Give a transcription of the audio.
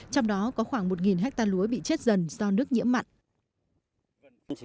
trong đó có khoảng một hecta lúa bị thiếu nước tưới